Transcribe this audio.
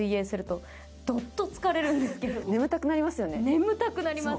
眠たくなります！